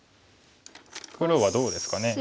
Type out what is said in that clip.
黒はどうですかね。